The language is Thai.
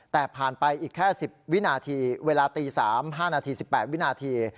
แต่ผ่านไปอีกแค่๑๐วินาทีเวลาตี๓๕นาที๑๘วินาที